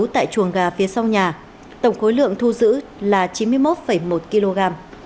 tại chuồng gà phía sau nhà tổng khối lượng thu giữ là chín mươi một một kg